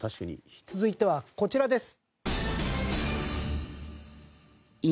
続いてはこちらです。